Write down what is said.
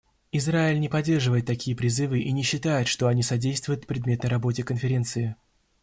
Израиль не поддерживает такие призывы и не считает, что они содействуют предметной работе Конференции.